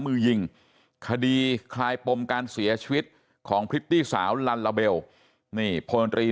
มือยิงคดีคลายปมการเสียชีวิตของพริตตี้สาวลัลลาเบลนี่พลตรี